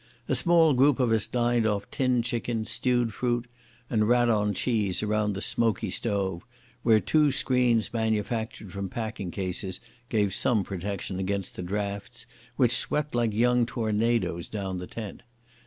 A small group of us dined off tinned chicken, stewed fruit, and ration cheese round the smoky stove, where two screens manufactured from packing cases gave some protection against the draughts which swept like young tornadoes down the tent.